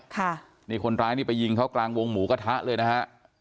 คนร้ายไปยิงเขากลางวงหมูกระทะเลยนะครับ